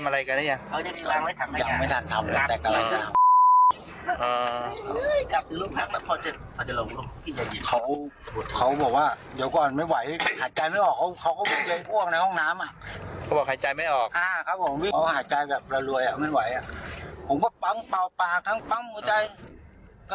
และแทฐศาสตร์ของฝ่ายหน้าเสียชีวิตให้เข้าในโลกการทรัมโต